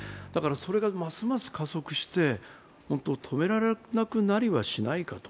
それがますます加速して、止められなくなりはしないか。